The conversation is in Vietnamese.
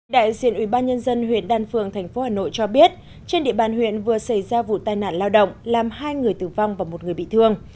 đại diện ubnd huyện đan phượng tp hà nội cho biết trên địa bàn huyện vừa xảy ra vụ tai nạn lao động làm hai người tử vong và một người bị thương